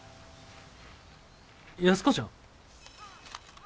安子ちゃん？